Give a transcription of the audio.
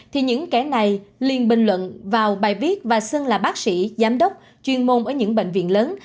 thì những kẻ này liên bình luận vào bài viết và xưng là bác sĩ giám đốc chuyên môn ở những bệnh viện lớn